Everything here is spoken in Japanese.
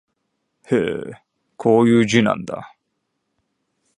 へえ、こういう字なんだ